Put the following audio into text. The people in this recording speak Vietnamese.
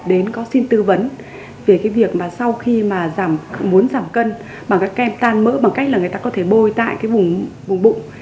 đến có xin tư vấn về cái việc mà sau khi mà muốn giảm cân bằng các kem tan mỡ bằng cách là người ta có thể bôi tại cái vùng bụng